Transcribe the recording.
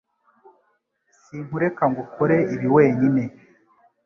Sinkureka ngo ukore ibi wenyine